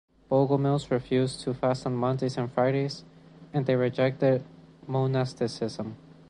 Bogomils refused to fast on Mondays and Fridays, and they rejected monasticism.